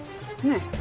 ねえ。